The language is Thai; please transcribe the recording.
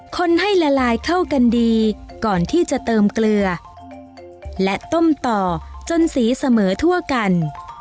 คนให้ละลายเข้ากันดีก่อนที่จะเติมเกลือและต้มต่อจนสีเสมอทั่วกัน